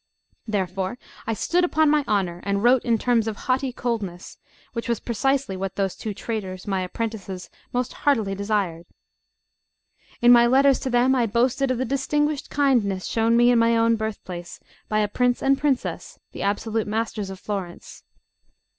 Therefore I stood upon my honour, and wrote in terms of haughty coldness, which was precisely what those two traitors, my apprentices, most heartily desired. In my letters to them I boasted of the distinguished kindness shown me in my own birthplace by a prince and princess the absolute masters of Florence.